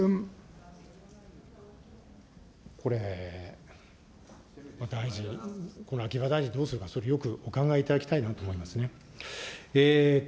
これ、大臣、この秋葉大臣どうするか、よくお考えいただきたいなと思いますね。